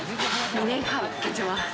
２年半経ちます。